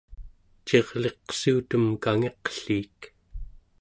cirliqsuutem kangiqliik